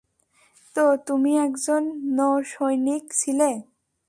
তো তুমি একজন নৌসৈনিক ছিলে?